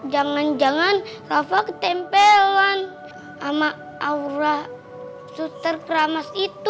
jangan jangan rafa ketempelan sama aura susar keramas itu